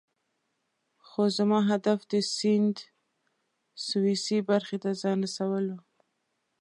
خو زما هدف د سیند سویسی برخې ته ځان رسول وو.